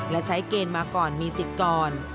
และใช้เกณฑ์มาก่อนมีสิทธิ์ก่อน